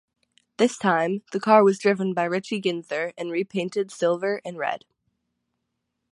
This time the car was driven by Richie Ginther and repainted silver and red.